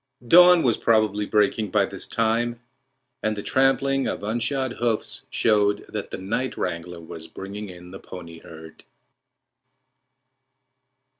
Dawn was probably breaking by this time, and the trampling of unshod hoofs showed that the night wrangler was bringing in the pony herd.